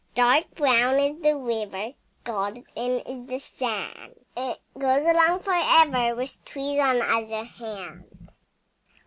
Dark brown is the river, Golden is the sand. It flows along for ever, With trees on either hand.